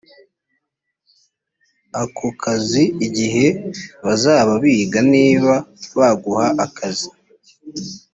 ako kazi igihe bazaba biga niba baguha akazi